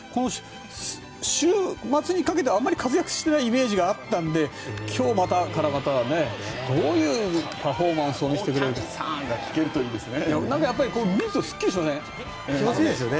週末にかけてはあまり活躍していないイメージがあったので今日またどういうパフォーマンスを大谷さんが聞けるといいですね。